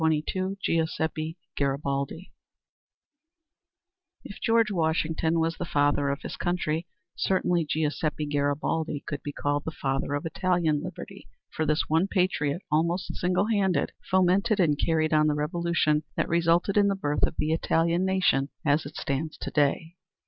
CHAPTER XXII GIUSEPPE GARIBALDI If George Washington was the father of his country, certainly Giuseppe Garibaldi could be called the father of Italian liberty, for this one patriot, almost single handed, fomented and carried on the revolution that resulted in the birth of the Italian nation as it stands to day.